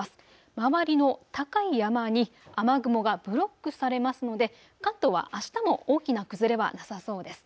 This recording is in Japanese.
周りの高い山に雨雲がブロックされますので関東はあしたも大きな崩れはなさそうです。